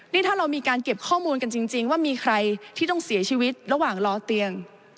นี่ถ้าเรามีการเก็บข้อมูลกันจริงว่ามีใครที่ต้องเสียชีวิตระหว่างรอเตียง